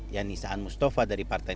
yanisaan mustafa dari partai